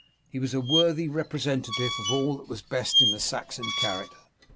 He was a worthy representative of all that was best in the Saxon character.